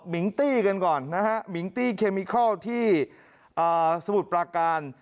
มิงตี้กันก่อนนะฮะมิงตี้เคมิเคิลที่สมุทรปราการ